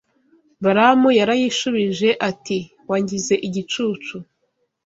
Balamu yarayishubije ati wangize igicucu.